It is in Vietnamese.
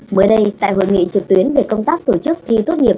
mới đây tại hội nghị trực tuyến về công tác tổ chức thi tốt nghiệp